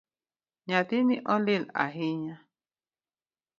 Nyathini olil ahinya